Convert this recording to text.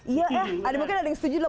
iya eh ada mungkin ada yang setuju